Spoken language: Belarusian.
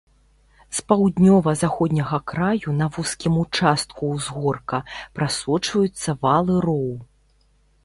З паўднёва-заходняга краю на вузкім участку ўзгорка прасочваюцца вал і роў.